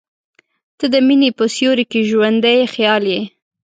• ته د مینې په سیوري کې ژوندی خیال یې.